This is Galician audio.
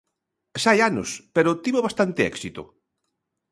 Xa hai anos, pero tivo bastante éxito.